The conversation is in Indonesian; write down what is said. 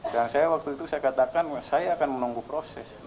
dan saya waktu itu saya katakan saya akan menunggu proses